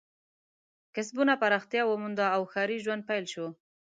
کسبونه پراختیا ومونده او ښاري ژوند پیل شو.